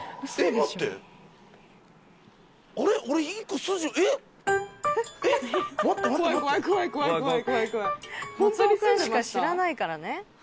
松尾君しか知らないからね。